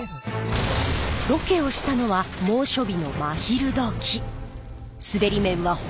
ロケをしたのは猛暑日の真昼どき。